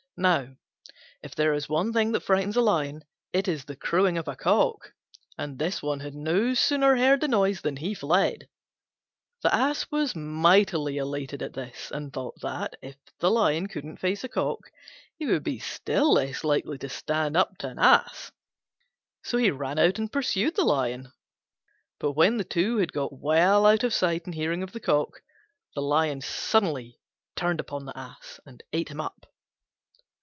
Now, if there is one thing that frightens a Lion, it is the crowing of a Cock: and this one had no sooner heard the noise than he fled. The Ass was mightily elated at this, and thought that, if the Lion couldn't face a Cock, he would be still less likely to stand up to an Ass: so he ran out and pursued him. But when the two had got well out of sight and hearing of the Cock, the Lion suddenly turned upon the Ass and ate him up.